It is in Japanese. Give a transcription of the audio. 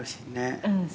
「うん。